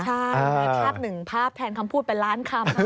ใช่มีภาพหนึ่งภาพแทนคำพูดเป็นล้านคำ